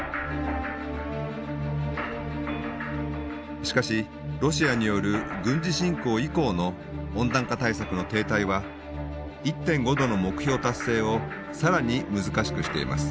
しかしロシアによる軍事侵攻以降の温暖化対策の停滞は１．５℃の目標達成を更に難しくしています。